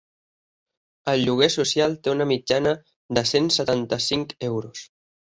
El lloguer social té una mitjana de cent setanta-cinc euros.